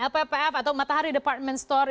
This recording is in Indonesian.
lppf atau matahari department store